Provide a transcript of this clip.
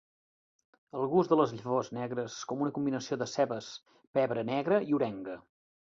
El gust de les llavors negres com una combinació de cebes, pebre negre i orenga.